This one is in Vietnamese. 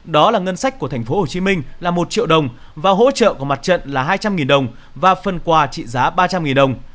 đó là ngân sách của tp hcm là một triệu đồng và hỗ trợ của mặt trận là hai trăm linh đồng và phần quà trị giá ba trăm linh đồng